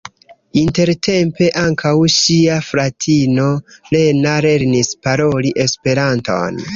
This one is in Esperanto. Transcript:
Intertempe ankaŭ ŝia fratino Lena lernis paroli Esperanton.